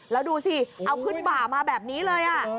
แล้วดูสิเอาขึ้นบ่ามาแบบนี้เลย